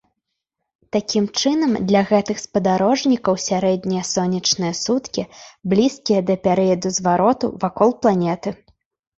Такім чынам, для гэтых спадарожнікаў сярэднія сонечныя суткі блізкія да перыяду звароту вакол планеты.